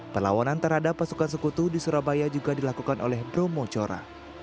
perlawanan terhadap pasukan sekutu di surabaya juga dilakukan oleh bromo cora